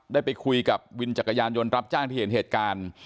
ได้ไปคุยกับวินจักรยานยนต์รับจ้างที่เห็นเหตุการณ์